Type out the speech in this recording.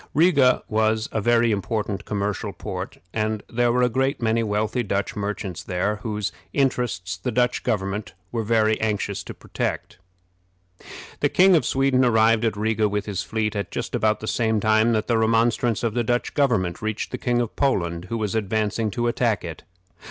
Riga was a very important commercial port, and there were a great many wealthy Dutch merchants there, whose interests the Dutch government were very anxious to protect. The King of Sweden arrived at Riga with his fleet at just about the same time that the remonstrance of the Dutch government reached the King of Poland, who was advancing to attack it.